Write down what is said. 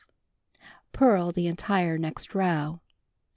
Purl the entire next row.